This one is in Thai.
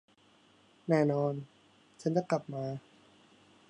แน่นอน ฉันจะกลับมา